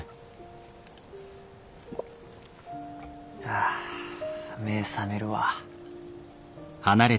あ目ぇ覚めるわ。